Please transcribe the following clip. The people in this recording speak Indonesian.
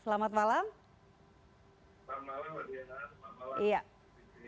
selamat malam mbak diana selamat malam